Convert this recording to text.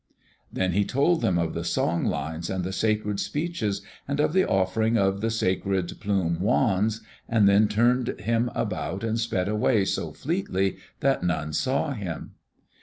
Then he told them of the song lines and the sacred speeches and of the offering of the sacred plume wands, and then turned him about and sped away so fleetly that none saw him.